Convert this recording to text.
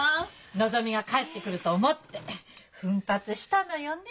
のぞみが帰ってくると思って奮発したのよね。